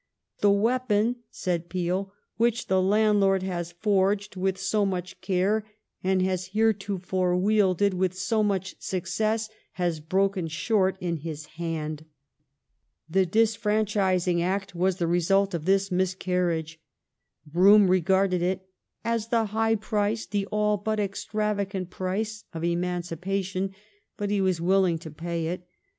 The " weapon," said Peel, " which the land lord has forged with so much care and has heretofore wielded with so much success has broken short in his hand ". The disfranchising Act was the result of this miscarriage. Brougham regarded it " as the high price, the all but extravagant price," of emancipation, but he was willing to pay it.